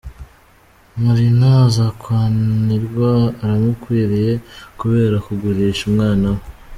Marina azakanirwa urumukwiriye kubera kugurisha umwana we.